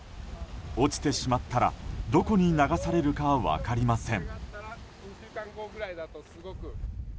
落ちてしまったらどこに流されるか分かりません。